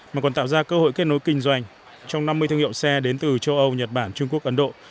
mà còn tạo ra cơ hội kết nối kinh doanh trong năm mươi thương hiệu xe đến từ châu âu nhật bản trung quốc ấn độ